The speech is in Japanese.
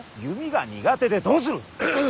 弓が苦手でどうする。